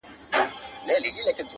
سل ځله مي خبر کړل چي راغلی دی توپان.!